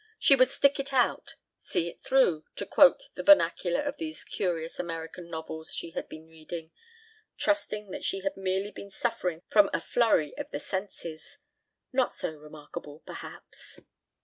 She would "stick it out," "see it through," to quote the vernacular of these curious American novels she had been reading; trusting that she had merely been suffering from a flurry of the senses ... not so remarkable perhaps.